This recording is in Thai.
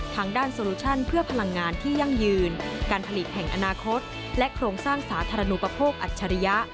ทางด้านโซลูชั่นเพื่อพลังงานที่ยั่งยืนการผลิตแห่งอนาคตและโครงสร้างสาธารณูปโภคออัจฉริยะ